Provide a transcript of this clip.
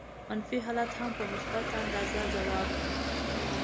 منفي حالات هم په مثبت انداز ځواب کړي.